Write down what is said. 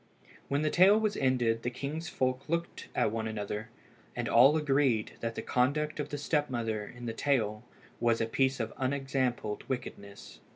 When the tale was ended the king's folk looked at one another, and all agreed that the conduct of the step mother in the tale was a piece of unexampled wickedness.